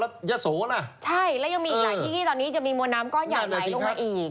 ใช่และยังมีอีกหลายที่ตอนนี้ยังมีมัวน้ำก้อนยากล้ายออกมาอีก